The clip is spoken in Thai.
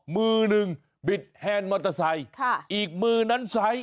มือหนึ่งบิดแฮนด์มอเตอร์ไซค์อีกมือนั้นไซส์